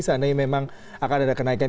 seandainya memang akan ada kenaikan